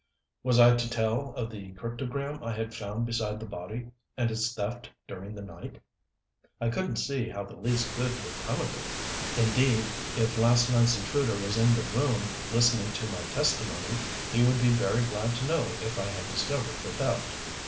Was I to tell of the cryptogram I had found beside the body, and its theft during the night? I couldn't see how the least good would come of it. Indeed, if last night's intruder was in the room, listening to my testimony, he would be very glad to know if I had discovered the theft.